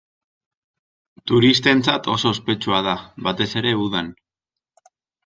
Turistentzat oso ospetsua da, batez ere udan.